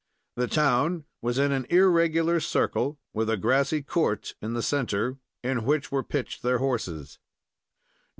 The town was in an irregular circle, with a grassy court in the centre, in which were pitched their horses.